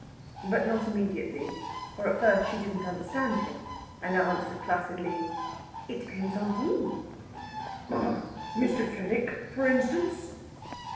But not immediately, for at first she didn't understand him, and answered placidly: "It depends on who." "Mr. Fenwick, for instance!"